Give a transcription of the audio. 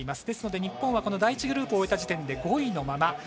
ですので、日本は第１グループを終えた時点で５位のまま。